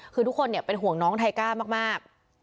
คือทุกคนเป็นห่วงน้องไทก้ามาก